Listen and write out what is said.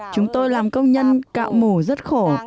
chúng tôi làm công nhân cạo mũ rất khổ